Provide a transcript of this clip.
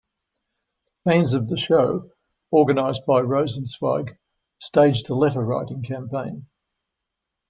Fans of the show, organized by Rosenzweig, staged a letter-writing campaign.